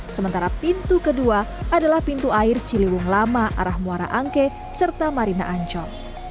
sementara pintu kedua adalah pintu air ciliwung lama arah muara angke serta marina ancol